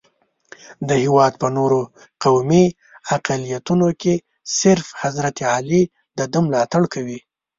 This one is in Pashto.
د هېواد په نورو قومي اقلیتونو کې صرف حضرت علي دده ملاتړ کوي.